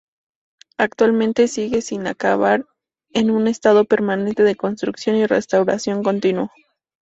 Actualmente sigue sin acabar, en un estado permanente de construcción y restauración continuo.